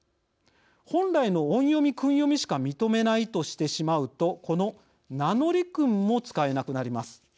本来の音読み、訓読みしか認めないとしてしまうとこの名乗り訓も使えなくなります。